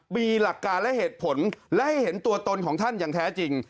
มีหลักการและเหตุผลและให้เห็นตัวตนของท่านอย่างแท้จริง